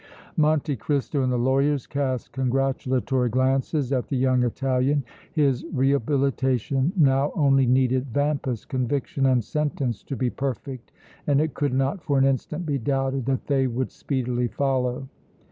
Monte Cristo and the lawyers cast congratulatory glances at the young Italian. His rehabilitation now only needed Vampa's conviction and sentence to be perfect, and it could not for an instant be doubted that they would speedily follow.